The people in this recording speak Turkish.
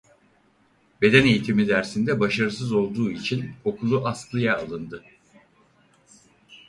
Beden eğitimi dersinde başarısız olduğu için okulu askıya alındı.